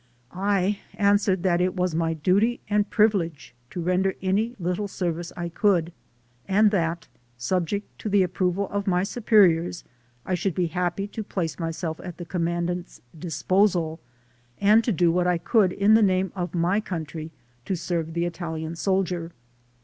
I answered that it was my duty and privilege to render any little service I could, and that, subject to the approval of my superiors, I should be happy to place myself at the Comman dants disposal and to do what I could in the name of my country, to serve the Italian soldier.